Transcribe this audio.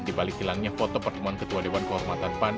di balik hilangnya foto pertemuan ketua dewan kehormatan pan